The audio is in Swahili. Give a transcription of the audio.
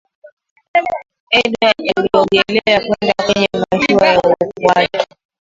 edward aliogelea kwenda kwenye mashua ya uokoaji